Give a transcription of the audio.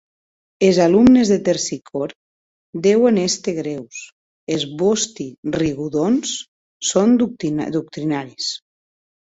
Es alumnes de Tersicore deuen èster grèus, es vòsti rigodons son doctrinaris.